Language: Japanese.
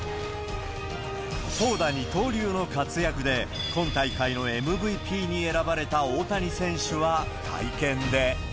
投打二刀流の活躍で、今大会のＭＶＰに選ばれた大谷選手は会見で。